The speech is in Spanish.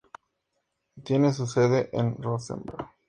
Tiene su sede en Rosenberg.